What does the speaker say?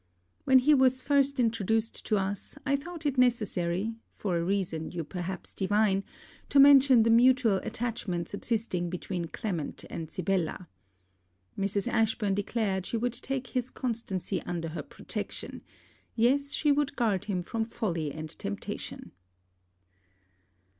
When he was first introduced to us, I thought it necessary, for a reason you perhaps divine, to mention the mutual attachment subsisting between Clement and Sibella. Mrs. Ashburn declared she would take his constancy under her protection: yes, she would guard him from folly and temptation.